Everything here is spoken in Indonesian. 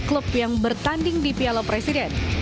klub yang bertanding di piala presiden